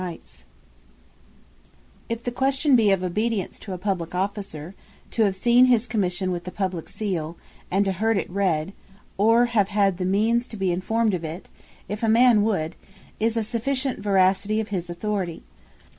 By Letters Patent, And Publique Seale If the question be of Obedience to a publique Officer; To have seen his Commission, with the Publique Seale, and heard it read; or to have had the means to be informed of it, if a man would, is a sufficient Verification of his Authority.